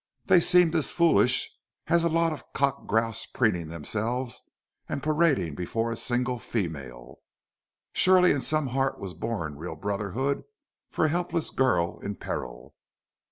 They seemed as foolish as a lot of cock grouse preening themselves and parading before a single female. Surely in some heart was born real brotherhood for a helpless girl in peril.